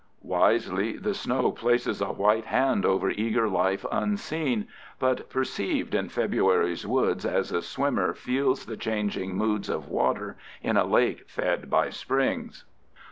Wisely the snow places a white hand over eager—life unseen, but perceived in February's woods as a swimmer feels the changing moods of water in a lake fed by springs.